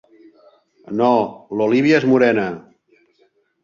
No, l'Olivia és morena.